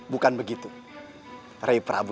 bukan begitu rai prabu